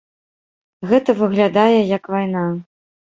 Гэта выглядае як вайна.